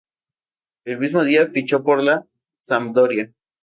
El mismo día, fichó por la Sampdoria.